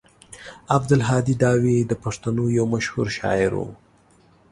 عبدالهادي داوي د پښتنو يو مشهور شاعر و.